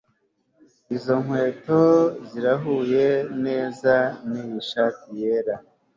Izo nkweto zirahuye neza niyi skirt yera